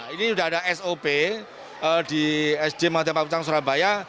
ini sudah ada sop di sdmu surabaya